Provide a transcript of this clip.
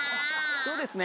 そうですね。